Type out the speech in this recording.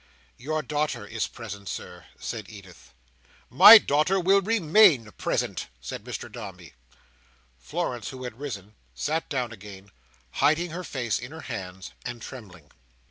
"Your daughter is present, Sir," said Edith. "My daughter will remain present," said Mr Dombey. Florence, who had risen, sat down again, hiding her face in her hands, and trembling.